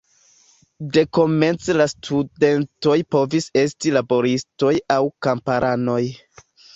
Dekomence la studentoj povis esti laboristoj aŭ kamparanoj.